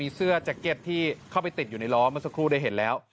เสื้อแจ็คเก็ตที่เข้าไปติดอยู่ในล้อเมื่อสักครู่ได้เห็นแล้ว